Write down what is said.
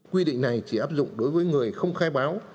quy định này chỉ áp dụng đối với người không khai báo